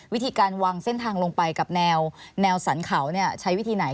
วิธีการวางเส้นทางลงไปกับแนวสรรเขาใช้วิธีไหน